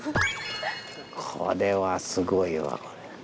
これはすごいわ。